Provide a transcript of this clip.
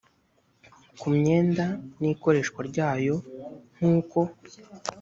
ku myenda n ikoreshwa ryayo nk uko